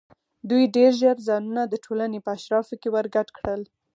دوی ډېر ژر ځانونه د ټولنې په اشرافو کې ورګډ کړل.